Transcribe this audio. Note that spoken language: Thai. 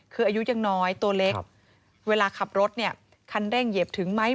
คืออายุยังน้อยตัวเล็กเวลาขับรถเนี่ยคันเร่งเหยียบถึงไหม